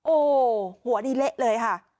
โอ้หัวนี้เละเลยฮะ